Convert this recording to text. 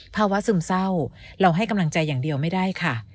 ซึมเศร้าเราให้กำลังใจอย่างเดียวไม่ได้ค่ะ